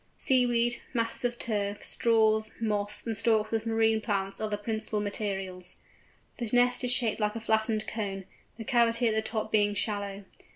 Seaweed, masses of turf, straws, moss, and stalks of marine plants are the principal materials. The nest is shaped like a flattened cone, the cavity at the top being shallow.